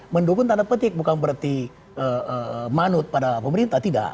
mendukung tanda petik bukan berarti manut pada pemerintah tidak